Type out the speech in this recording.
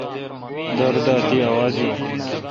دور دا تی آواز یون۔